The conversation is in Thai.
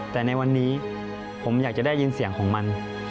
แต่ในวันนี้ผมอยากจะได้ยินเสียงของมัน